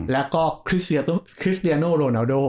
แล้วก็คริสเดียโนโรนาโด